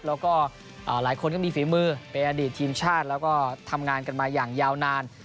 แล้วก็หลายคนก็มีฝีมือเป็นอดีตทีมชาติแล้วก็ทำงานกันมาอย่างยาวนาน